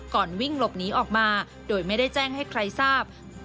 วิ่งหลบหนีออกมาโดยไม่ได้แจ้งให้ใครทราบ